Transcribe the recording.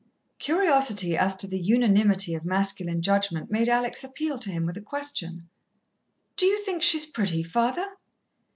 Curiosity as to the unanimity of masculine judgment made Alex appeal to him with a question. "Do you think she's pretty, father?"